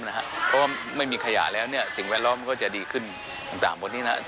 เพราะว่าไม่มีขยะแล้วสิ่งแวดล้อมก็จะดีขึ้นต่างบนนี้นะครับ